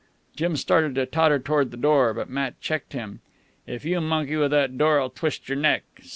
Jim started to totter toward the door, but Matt checked him. "If you monkey with that door, I'll twist your neck.